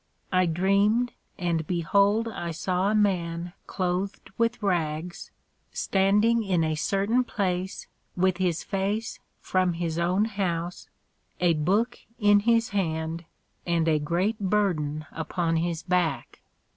I dreamed, and behold I saw a Man cloathed with Rags, standing in a certain place, with his face from his own house, a Book in his hand, and a great Burden upon his back.